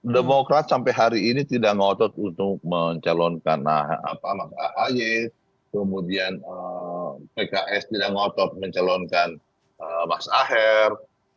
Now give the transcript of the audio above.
demokrat sampai hari ini tidak ngotot untuk mencalonkan mas ahaye kemudian pks tidak ngotot mencalonkan mas aher